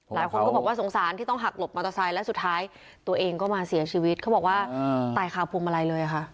หลายคนก็บอกว่าสงสารที่ต้องหักหลบมอเตอร์ไซค์และสุดท้ายตัวเองก็มาเสียชีวิตเขาบอกว่าตายคาพวงมาลัยเลยค่ะ